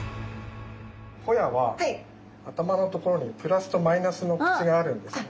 ホヤは頭のところにプラスとマイナスの口があるんです。